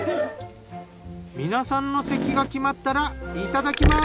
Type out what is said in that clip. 皆さんの席が決まったらいただきます！